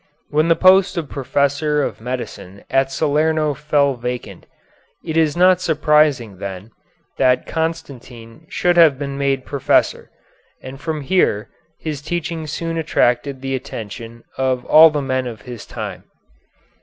When the post of professor of medicine at Salerno fell vacant, it is not surprising, then, that Constantine should have been made professor, and from here his teaching soon attracted the attention of all the men of his time.